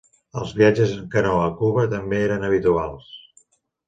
Els viatges en canoa a Cuba també eren habituals.